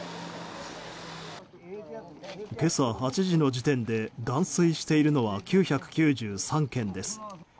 今朝８時の時点で断水しているのは９９３軒です。